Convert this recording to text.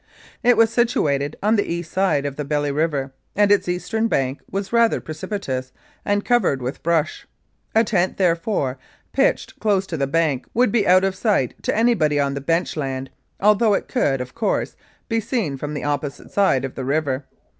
It was situated on the east side of the Belly River, and its eastern bank was rather precipitous and covered with brush. A tent, therefore, pitched close to the bank would be out of sight to anybody on the bench land, although it could, of course, be seen from the opposite side of the river.